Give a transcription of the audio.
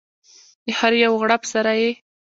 د هر یو غړپ سره یې